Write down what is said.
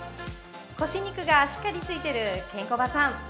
腰肉がしっかりついているケンコバさん